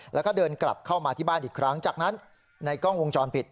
แล้วก็เดินกลับเข้ามาที่บ้านอีกครั้งจากนั้นในกล้องวงจรปิด